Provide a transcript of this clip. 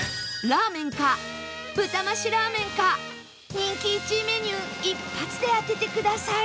ラーメンか豚増しラーメンか人気１位メニュー一発で当ててください